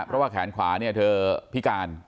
เพราะว่าแขนขวาเนี่ยเธอพิการ